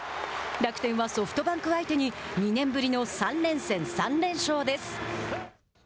楽天はソフトバンク相手に２年ぶりの３連戦３連勝です。